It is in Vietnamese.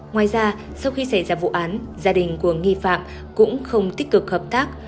ngoài ra sau khi xảy ra vụ án gia đình của nghi phạm cũng không tích cực hợp tác